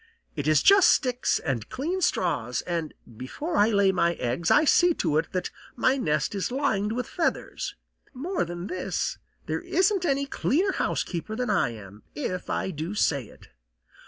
It is just sticks and clean straws, and before I lay my eggs I see to it that my nest is lined with feathers. More than this, there isn't any cleaner housekeeper than I am, if I do say it.